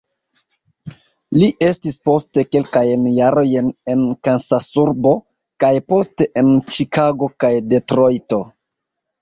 Li estis poste kelkajn jarojn en Kansasurbo kaj poste en Ĉikago kaj Detrojto.